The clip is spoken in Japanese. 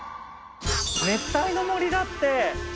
熱帯の森だって！